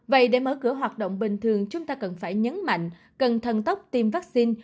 vậy để mở cửa hoạt động bình thường chúng ta cần phải nhấn mạnh cần thần tốc tiêm vaccine